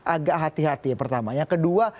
agak hati hati ya pertamanya kedua